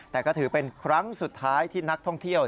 แต่ก็ถือเป็นครั้งสุดท้ายที่นักท่องเที่ยว